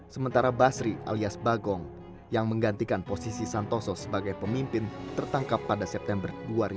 sementara basri alias bagong yang menggantikan posisi santoso sebagai pemimpin tertangkap pada september dua ribu dua puluh